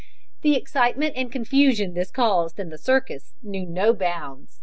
The excitement and confusion this caused in the circus knew no bounds.